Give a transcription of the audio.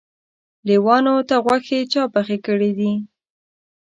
لېوانو ته غوښې چا پخې کړي دي؟